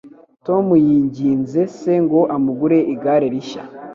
Tom yinginze se ngo amugure igare rishya.